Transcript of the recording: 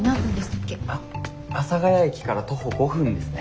あ阿佐ヶ谷駅から徒歩５分ですね。